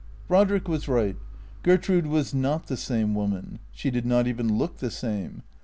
Brodrick was right. Gertrude was not the same woman. She did not even look the same.